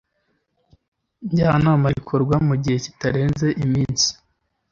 njyanama rikorwa mu gihe kitarenze iminsi